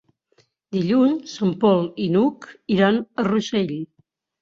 Dilluns en Pol i n'Hug iran a Rossell.